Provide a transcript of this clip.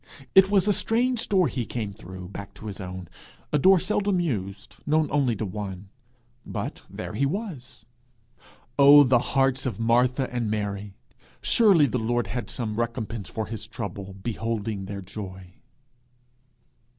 It was a strange door he came through, back to his own a door seldom used, known only to one but there he was! Oh, the hearts of Martha and Mary! Surely the Lord had some recompense for his trouble, beholding their joy!